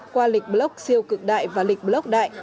qua lịch bloc siêu cực đại và lịch bloc đại